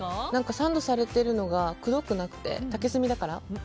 サンドされているのが黒くなくて竹炭だから？